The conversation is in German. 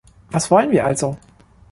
Was wollen wir also?